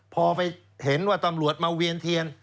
พอไปเห็นว่าตำรวจมาเวียนเทียน